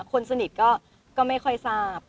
คนสนิทก็ไม่ค่อยทราบ